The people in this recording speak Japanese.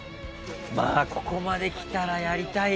「まあここまで来たらやりたいか」